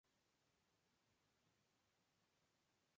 Columbia Records.